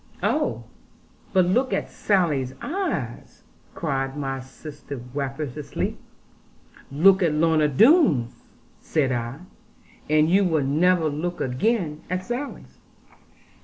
'Oh, but look at Sally's eyes!' cried my sister rapturously. 'Look at Lorna Doone's,' said I; 'and you would never look again at Sally's.'